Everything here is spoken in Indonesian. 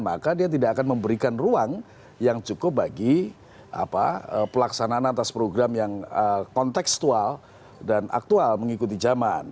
maka dia tidak akan memberikan ruang yang cukup bagi pelaksanaan atas program yang konteksual dan aktual mengikuti zaman